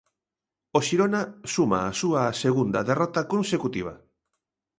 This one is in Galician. O Xirona suma a súa segunda derrota consecutiva.